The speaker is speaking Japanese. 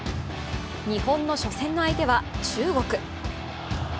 日本の初戦の相手は中国。